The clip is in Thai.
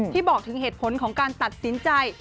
บอกถึงเหตุผลของการตัดสินใจ